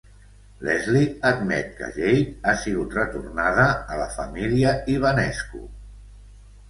Leslie admet que Jade ha sigut retornada a la família Ibanescu.